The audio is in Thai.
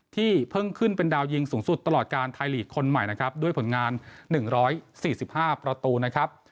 ที่เพิ่งขึ้นเป็นดาวยิงสูงสุดตลอดการไทยลีกคนใหม่นะครับด้วยผลงาน๑๔๕ประตูนะครับ